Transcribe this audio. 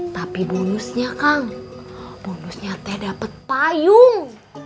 tapi bonusnya kang bonusnya teh dapat payung